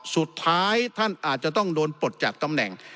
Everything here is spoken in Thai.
สุดท้ายท่านอาจจะต้องโดนปลดจากตำแหน่ง